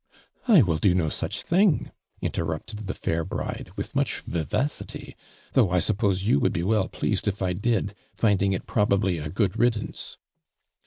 " I will do no such thing," interrupted the fair bride, with much vivacity, " though I suppose you would bo well pleased if I did, tinding it probably a good riddance."